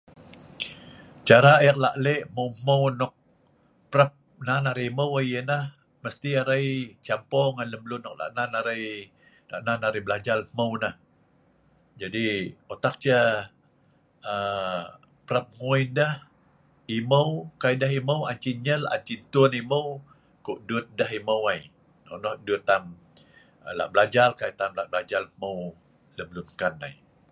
𝐶𝑎𝑟𝑎 𝑒'𝑒𝑘 𝑙𝑎' 𝑙e' ℎ𝑚𝑢𝑒𝑛 - ℎ𝑚𝑢𝑒𝑛 𝑛𝑜𝑘 𝑝'𝑟𝑎𝑝 𝑛𝑎𝑛 𝑎'𝑟𝑎𝑖 𝑒'𝑚𝑢 𝑦𝑎ℎ 𝑛𝑎ℎ 𝑚𝑒𝑠𝑡𝑖 𝑎'𝑟𝑎𝑖 𝑐𝑎𝑚𝑝𝑢𝑟 𝑛'𝑔𝑢𝑖 𝑙𝑢𝑛 𝑛𝑜'𝑜𝑘 𝑙𝑎𝑘 𝑛𝑎𝑛 𝑎'𝑟𝑎𝑖 𝑏𝑒𝑙𝑎𝑗𝑎𝑟 ℎ'𝑚𝑢𝑒𝑛 𝑛'𝑎𝑎ℎ, 𝑗𝑎𝑑𝑖 𝑜'𝑡𝑎𝑘 𝑐𝑒ℎ 𝑎𝑟𝑟 𝑝'𝑟𝑎𝑝 � 𝑛'𝑔𝑢𝑖 𝑑𝑒ℎ 𝑗𝑎𝑑𝑖 𝑎𝑛' 𝑐𝑒ℎ 𝑛𝑦𝑒𝑙 𝑎𝑛' 𝑐𝑒ℎ 𝑒𝑛'𝑡𝑢𝑛 𝑒'𝑚𝑢 𝑘𝑢' 𝑑𝑢𝑡 𝑒'𝑚𝑢 𝑗𝑎𝑑𝑖 𝑛𝑜𝑛𝑜ℎ 𝑡𝑎𝑚 𝑙𝑎' 𝑏𝑒𝑙𝑎𝑗𝑎𝑟 𝑘𝑎𝑖 𝑡𝑎𝑚 𝑙𝑎' 𝑏𝑒𝑙𝑎𝑗𝑎𝑟 ℎ'𝑚𝑢𝑒𝑛 𝑙𝑒𝑚 𝑙𝑢𝑛 𝑘𝑎𝑛 𝑎𝑖'.